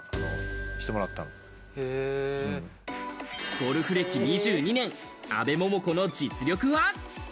ゴルフ歴２２年、阿部桃子の実力は。